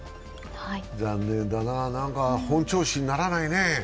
残念だな、本調子にならないね。